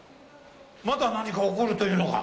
まだ何か起こるというのか？